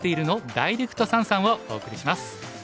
ダイレクト三々」をお送りします。